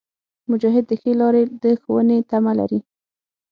مجاهد د ښې لارې د ښوونې تمه لري.